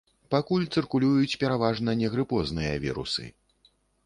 Пакуль цыркулююць пераважна негрыпозныя вірусы.